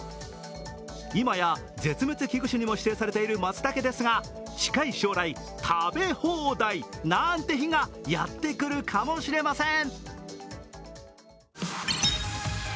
今や絶滅危惧種にも指定されているまつたけですが近い将来、食べ放題なんて日がやってくるかもしれません。